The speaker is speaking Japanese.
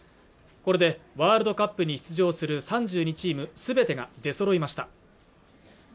これでワールドカップに出場する３２チームすべてが出そろいました